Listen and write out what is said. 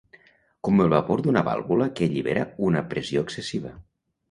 com el vapor d'una vàlvula que allibera una pressió excessiva